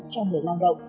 cho người lao động